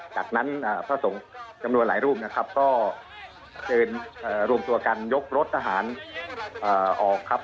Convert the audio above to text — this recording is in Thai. จากนั้นพระสงฆ์จำนวนหลายรูปนะครับก็เดินรวมตัวกันยกรถทหารออกครับ